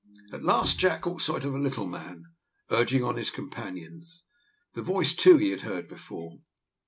At last Jack caught sight of a little man, urging on his companions. The voice too he had heard before.